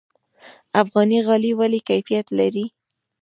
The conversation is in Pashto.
افغاني غالۍ ولې کیفیت لري؟